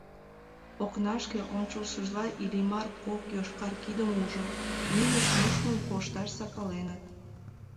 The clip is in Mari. Окнашке ончалшыжла Иллимар кок йошкар кидым ужо: нинышт мушмым кошташ сакаленыт.